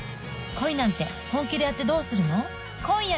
「恋なんて、本気でやってどうするの？」